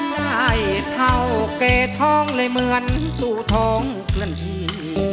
ไฟเท่าเกฐองเลยเหมือนตู่ท้องพี่